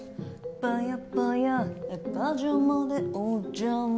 「パヤパヤパジャマでお邪魔」